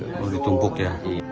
harus ditumpuk ya